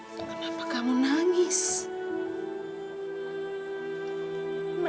tak ada sama sekali sala sala